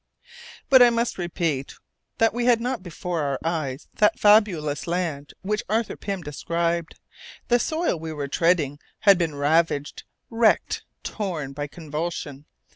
But, I must repeat that we had not before our eyes that fabulous land which Arthur Pym described. The soil we were treading had been ravaged, wrecked, torn by convulsion.